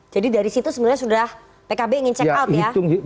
jadi dari situ sebenarnya sudah pkb ingin check out ya